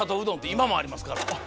今もありますから。